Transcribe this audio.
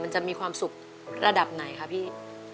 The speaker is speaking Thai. จะมีความสุขระดับไหนคะพี่